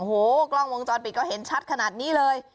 โอ้โหกล้องวงจรปิดก็เห็นชัดขนาดนี้เลย